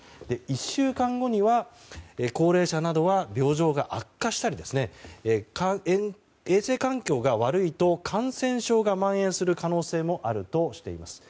１週間後には高齢者などは病状が悪化したり衛生環境が悪いと感染症が蔓延する可能性もあるとしています。